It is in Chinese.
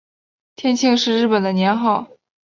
天庆是日本的年号。